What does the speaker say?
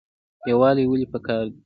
یووالی ولې پکار دی؟